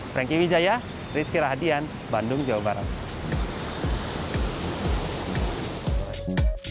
franky wijaya rizky rahadian bandung jawa barat